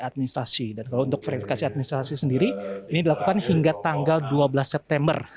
administrasi dan kalau untuk verifikasi administrasi sendiri ini dilakukan hingga tanggal dua belas september